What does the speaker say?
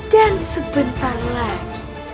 dan sebentar lagi